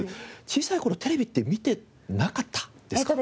小さい頃テレビって見てなかったですか？